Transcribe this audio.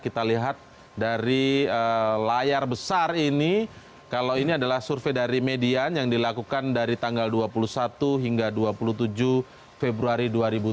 kita lihat dari layar besar ini kalau ini adalah survei dari median yang dilakukan dari tanggal dua puluh satu hingga dua puluh tujuh februari dua ribu tujuh belas